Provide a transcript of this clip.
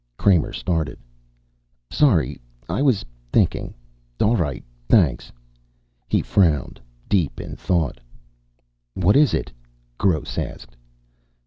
Kramer started. "Sorry. I was thinking. All right, thanks." He frowned, deep in thought. "What is it?" Gross asked.